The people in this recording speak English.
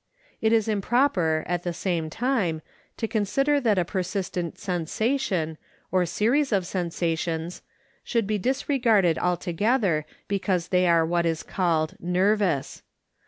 It is improper, at the same time, to consider that a persistent sensation, or series of sensations, should be disregarded altogether because they are what is called " nervous."